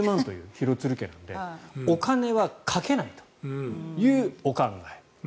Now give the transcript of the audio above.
廣津留家なのでお金はかけないというお考え。